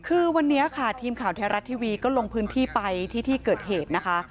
คือวันนี้ค่ะทีมข่าวไทยรัฐทีวีก็ลงพื้นที่ไปที่ที่เกิดเหตุนะคะ